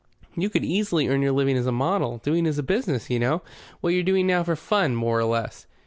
You could easily earn your living as a model doing as a business, you know, what you're doing now for fun, more or less."